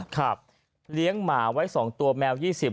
ครับเลี้ยงหมาไว้๒ตัวแมว๒๐